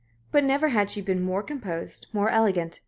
But never had she been more composed, more elegant.